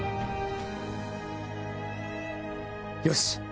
よし！